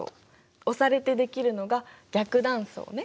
押されてできるのが逆断層ね。